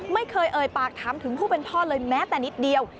ไม่เคยเอ่ยปากถามถึงผู้เป็นพ่อเลยแม้แต่นิดเดียว